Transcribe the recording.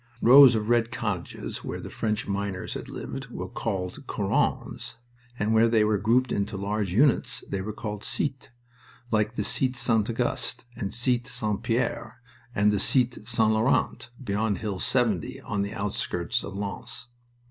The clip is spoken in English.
Rows of red cottages where the French miners had lived were called corons, and where they were grouped into large units they were called cites, like the Cite St. Auguste, the Cite St. Pierre, and the Cite St. Laurent, beyond Hill 70, on the outskirts of Lens.